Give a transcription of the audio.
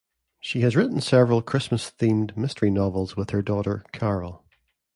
She has written several Christmas-themed mystery novels with her daughter, Carol.